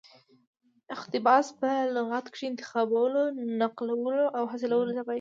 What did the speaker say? اقتباس په لغت کښي انتخابولو، نقلولو او حاصلولو ته وايي.